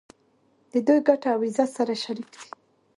د دوی ګټې او عزت سره شریک دي.